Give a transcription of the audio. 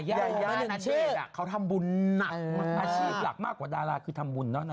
ยาณเตยเขาทำบุญหนักอาชีพหลักมากกว่าดาราคือทำบุญเนอะณเตย